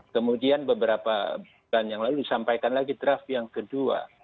kemudian beberapa bulan yang lalu disampaikan lagi draft yang kedua